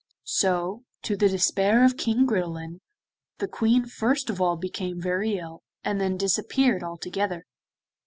So, to the despair of King Gridelin, the Queen first of all became very ill, and then disappeared altogether.